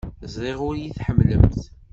Ẓriɣ ur iyi-tḥemmlemt.